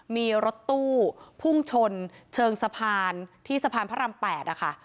มีรถตู้พุ่งชนเชิงสะพานที่สะพานพระราม๘นะคะ